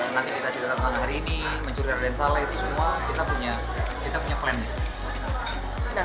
nanti kita cerita tentang hari ini mencurigar dan saleh itu semua kita punya kita punya rencana